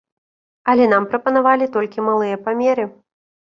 Але нам прапанавалі толькі малыя памеры.